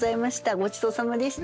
ごちそうさまでした。